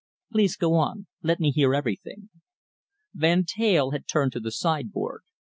"Please go on. Let me hear everything." Van Teyl had turned to the sideboard.